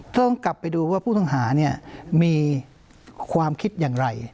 ต้องกลับไปดูว่าผู้ต้องหาเนี่ยมีความคิดอย่างไร